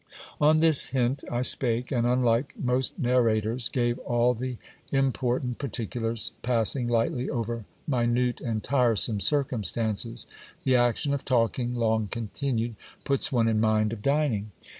On this hint I spake ; and unlike most narrators, gave all the important par ticulars, passing lightly over minute and tiresome circumstances. The action of talking, long continued, puts one in mind of dining.